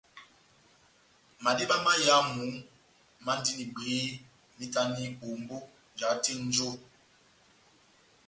Madiba máyamu mandini bwehé, mahitani ombó jahate nʼnjo.